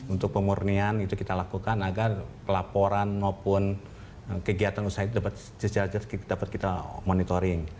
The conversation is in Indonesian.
untuk pemurnian itu kita lakukan agar pelaporan maupun kegiatan usaha itu dapat kita monitoring